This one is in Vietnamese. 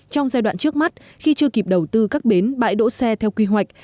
trong giai đoạn trước mắt khi chưa kịp đầu tư các bến bãi đỗ xe theo quy hoạch